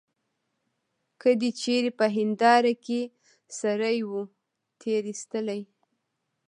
که دي چیري په هنیداره کي سړی وو تېرایستلی.